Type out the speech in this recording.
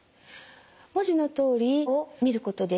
文字のとおり舌を診ることです。